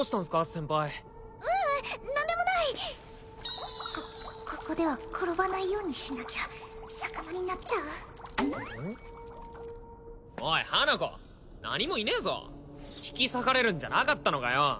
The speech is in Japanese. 先輩ううん何でもないこここでは転ばないようにしなきゃ魚になっちゃうおい花子何もいねえぞ引き裂かれるんじゃなかったのかよ？